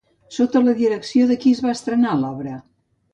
Sota la direcció de qui es va estrenar l'obra?